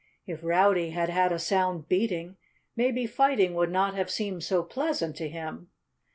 If Rowdy had had a sound beating, maybe fighting would not have seemed so pleasant to him.